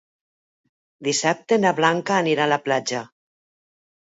Dissabte na Blanca anirà a la platja.